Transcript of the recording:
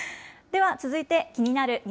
では、続いて、気になる！